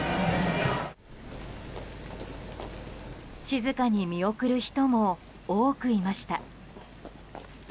静かに見送る人も多くいました。